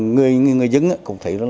người dân cũng thấy là